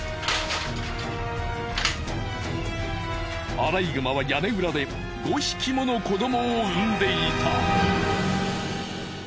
アライグマは屋根裏で５匹もの子どもを産んでいた。